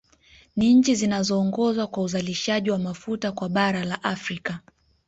Ni nchi zinazoongoza kwa uzalishaji wa mafuta kwa bara la Afrika